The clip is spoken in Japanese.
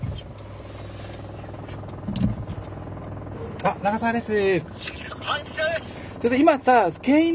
あっ永澤です。